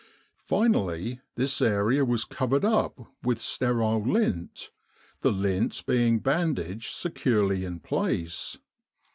Finally, this area was covered up with sterile lint, the lint being bandaged securely in place.